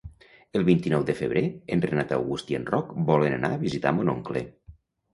El vint-i-nou de febrer en Renat August i en Roc volen anar a visitar mon oncle.